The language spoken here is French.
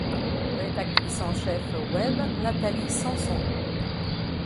Rédactrice en chef web: Nathalie Samson.